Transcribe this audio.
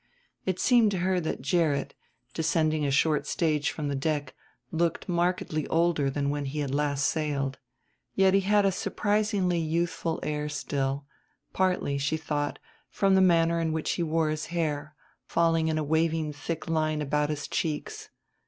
It seemed to her that Gerrit, descending a short stage from the deck, looked markedly older than when he had last sailed. Yet he had a surprisingly youthful air still; partly, she thought, from the manner in which he wore his hair, falling in a waving thick line about his cheeks.